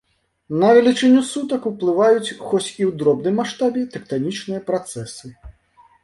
На велічыню сутак уплываюць, хоць і ў дробным маштабе, тэктанічныя працэсы.